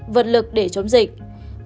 vận lực để chống dịch